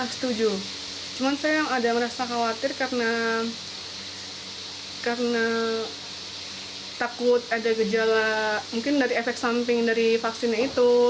setuju cuma saya yang ada merasa khawatir karena takut ada gejala mungkin dari efek samping dari vaksinnya itu